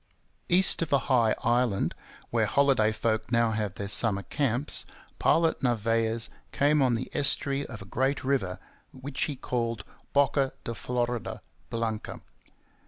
East of a high island, where holiday folk now have their summer camps, Pilot Narvaez came on the estuary of a great river, which he called Boca de Florida Blanca.